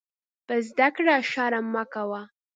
په زده کړه شرم مه کوۀ.